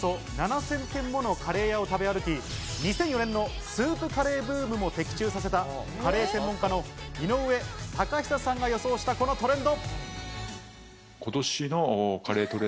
およそ７０００店ものカレー屋を食べ歩き、２００４年のスープカレーブームも的中させたカレー専門家の井上岳久さんが予想したこのトレンド。